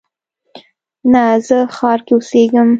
نه، زه ښار کې اوسیږم